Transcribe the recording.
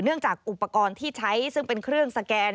จากอุปกรณ์ที่ใช้ซึ่งเป็นเครื่องสแกน